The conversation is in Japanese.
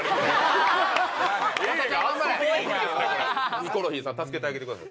ヒコロヒーさん助けてあげてください。